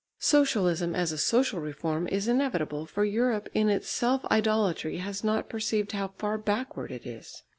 Socialism as a social reform is inevitable, for Europe in its self idolatry has not perceived how far backward it is.